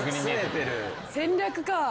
戦略か。